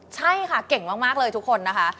ใช่ค่ะเก่งมากเลยทุกคนนะคะ